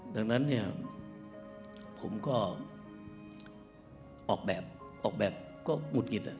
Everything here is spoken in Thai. ดังนั้นเนี่ยผมก็ออกแบบออกแบบก็หงุดหงิด